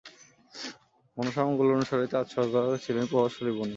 মনসামঙ্গল অনুসারে চাঁদ সওদাগর ছিলেন প্রভাবশালী বণিক।